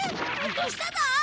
どしただ？